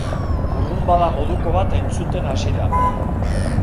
Burrunbada moduko bat entzuten hasi da.